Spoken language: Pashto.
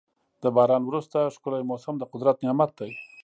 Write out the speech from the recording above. د باران وروسته ښکلی موسم د قدرت نعمت دی.